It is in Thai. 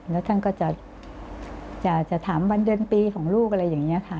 แล้วท่านก็จะถามวันเดือนปีของลูกอะไรอย่างนี้ค่ะ